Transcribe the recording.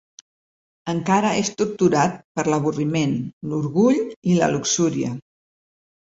Encara és torturat per l'avorriment, l'orgull i la luxúria.